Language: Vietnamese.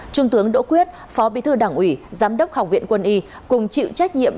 trung tướng đỗ quyết phó bí thư đảng ủy giám đốc học viện quân y cùng chịu trách nhiệm